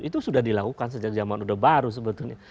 itu sudah dilakukan sejak zaman udah baru sebetulnya